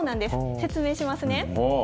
説明しますね。